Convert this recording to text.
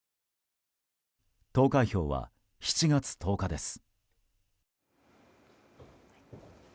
投開票は７月１０日です。